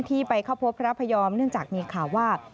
ที่ไปเข้าพบพระพยอมเนื่องจากมีข่าวว่า